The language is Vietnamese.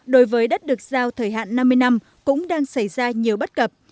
đối với đất được giao thời hạn năm mươi năm cũng đang xảy ra nhiều bất cập